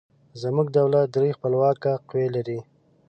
زموږ دولت درې خپلواکه قوې لري.